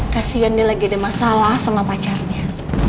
kasian dia lagi ada masalah sama pacarnya